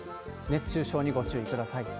熱中症にご注意ください。